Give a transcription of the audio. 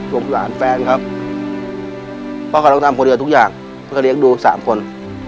พวกหลานแฟนครับพ่อก็ต้องตามคนเดียวทุกอย่างเพื่อจะเรียกดูสามคน